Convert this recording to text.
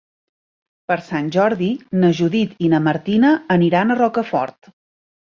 Per Sant Jordi na Judit i na Martina aniran a Rocafort.